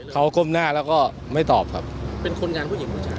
เขาก้มหน้าแล้วก็ไม่ตอบครับเป็นคนงานผู้หญิงผู้ชาย